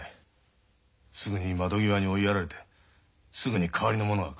すぐに窓際に追いやられてすぐに代わりの者が来るからね。